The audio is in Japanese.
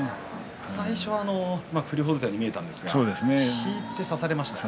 最初は振りほどいたように見えたんですが引いて差されましたね。